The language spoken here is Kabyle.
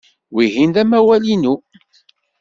Wihin d amawal-inu.